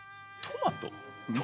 トマト。